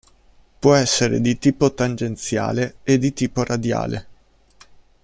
Può essere di tipo tangenziale e di tipo radiale.